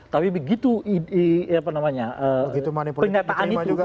tapi begitu apa namanya penyataan itu begitu manipulasi dikriman juga